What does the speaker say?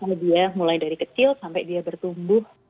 seperti dia mulai dari kecil sampai dia bertumbuh